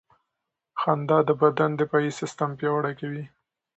خندا د بدن دفاعي سیستم پیاوړی کوي.